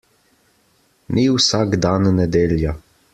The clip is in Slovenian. Ni vsak dan nedelja.